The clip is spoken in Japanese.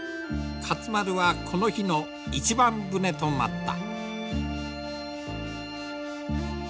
勝丸はこの日の一番船となった。